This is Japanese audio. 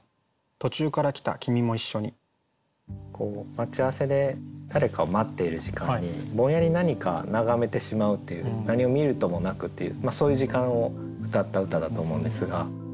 待ち合わせで誰かを待っている時間にぼんやり何か眺めてしまうっていう何を見るともなくっていうそういう時間をうたった歌だと思うんですが。